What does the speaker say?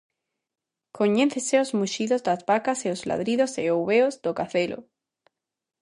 Coñécense os muxidos das vacas e os ladridos e ouveos do cadelo.